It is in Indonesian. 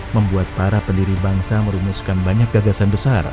membuat para pendiri bangsa merumuskan banyak gagasan besar